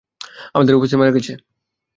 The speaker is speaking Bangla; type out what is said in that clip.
আমাদের অফিসার মারা গেছে।